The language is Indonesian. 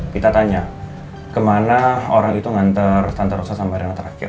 kita tanya kemana orang itu nganter tantar usaha sama reina terakhir